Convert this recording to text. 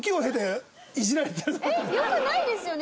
えっよくないですよね？